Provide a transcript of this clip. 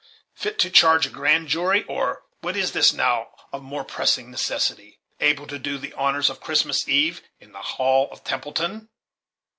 Fit to charge a grand jury, or, what is just now of more pressing necessity, able to do the honors of Christmas eve in the hall of Templeton?"